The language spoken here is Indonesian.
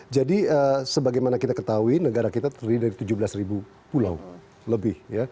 jadi sebagaimana kita ketahui negara kita terdiri dari tujuh belas pulau lebih